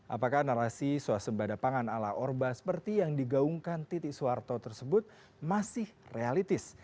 apakah narasi suasembada pangan ala orba seperti yang digaungkan titik suharto tersebut masih realistis